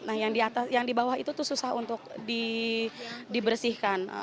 nah yang di atas yang di bawah itu tuh susah untuk dibersihkan